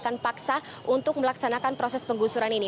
akan paksa untuk melaksanakan proses penggusuran ini